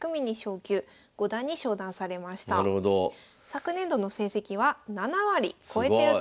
昨年度の成績は７割超えてるということで。